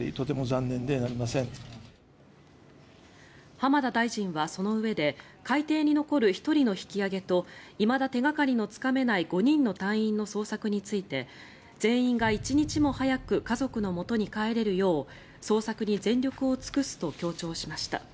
浜田大臣は、そのうえで海底に残る１人の引き揚げといまだ手掛かりのつかめない５人の隊員の捜索について全員が１日も早く家族のもとに帰れるよう捜索に全力を尽くすと強調しました。